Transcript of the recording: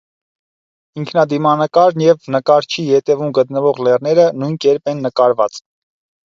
Ինքնադիմանկարն և նկարչի ետևում գտնվող լեռները նույն կերպ են նկարված։